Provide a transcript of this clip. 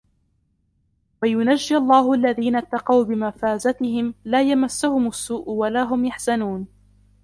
وَيُنَجِّي اللَّهُ الَّذِينَ اتَّقَوْا بِمَفَازَتِهِمْ لَا يَمَسُّهُمُ السُّوءُ وَلَا هُمْ يَحْزَنُونَ